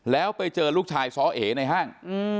แล้วไปเจอลูกชายซ้อเอในห้าง